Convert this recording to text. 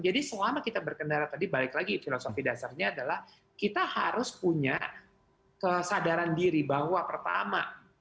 jadi selama kita berkendara tadi balik lagi filosofi dasarnya adalah kita harus punya kesadaran diri bahwa pertama